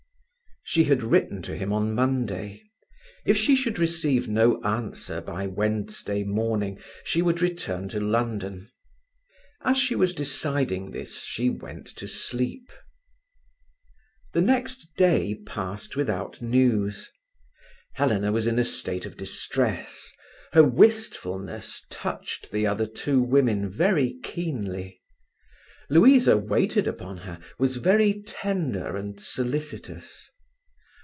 She had written to him on Monday. If she should receive no answer by Wednesday morning she would return to London. As she was deciding this she went to sleep. The next day passed without news. Helena was in a state of distress. Her wistfulness touched the other two women very keenly. Louisa waited upon her, was very tender and solicitous.